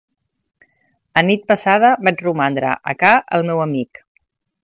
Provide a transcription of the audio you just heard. Anit passada vaig romandre a ca el meu amic.